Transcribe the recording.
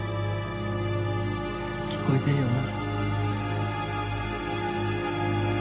聞こえてるよな？